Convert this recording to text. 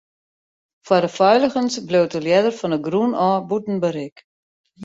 Foar de feiligens bliuwt de ljedder fan 'e grûn ôf bûten berik.